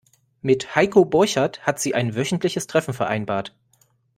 Mit Heiko Borchert hat sie ein wöchentliches Treffen vereinbart.